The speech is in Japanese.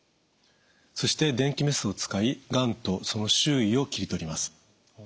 そして電気メスを使いがんとその周囲を切りとります。